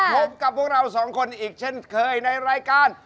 พบกับพวกเราสองคนอีกเช่นเคยในรายการ